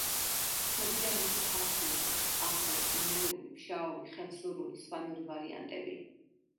ცნობილია მისი ქართლური, კახური, იმერული, ფშაური, ხევსურული, სვანური ვარიანტები.